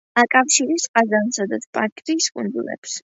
აკავშირებს ყაზანისა და სპასკის კუნძულებს.